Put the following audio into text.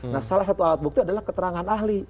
nah salah satu alat bukti adalah keterangan ahli